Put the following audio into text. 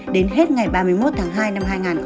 đến hết ngày ba mươi một tháng hai năm hai nghìn hai mươi